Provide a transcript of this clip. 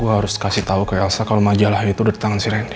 gue harus kasih tau ke elsa kalau majalah itu udah di tangan si randy